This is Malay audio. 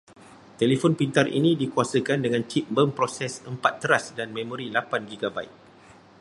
Telefon pintar ini dikuasakan dengan chip pemproses empat teras dan memori lapan gigabait.